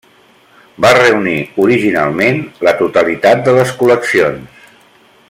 Va reunir originalment la totalitat de les col·leccions.